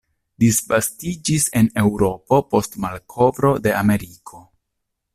Disvastiĝis en Eŭropo post malkovro de Ameriko.